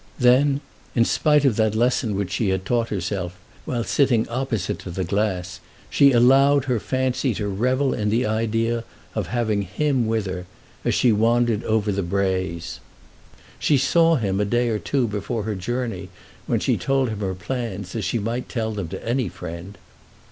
Then, in spite of that lesson which she had taught herself while sitting opposite to the glass, she allowed her fancy to revel in the idea of having him with her as she wandered over the braes. She saw him a day or two before her journey, when she told him her plans as she might tell them to any friend.